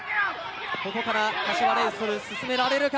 ここから柏レイソル、進められるか？